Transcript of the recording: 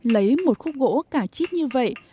lấy một khúc gỗ cả chít như vậy